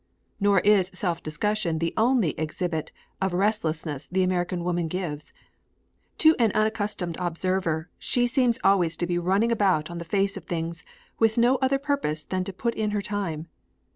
Nor is self discussion the only exhibit of restlessness the American woman gives. To an unaccustomed observer she seems always to be running about on the face of things with no other purpose than to put in her time.